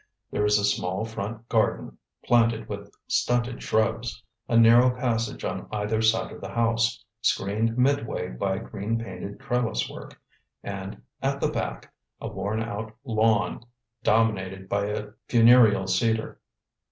There is a small front garden, planted with stunted shrubs; a narrow passage on either side of the house, screened midway by green painted trellis work, and at the back a worn out lawn, dominated by a funereal cedar.